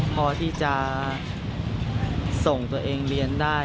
พอที่จะส่งตัวเองเรียนได้